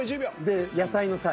で野菜の菜。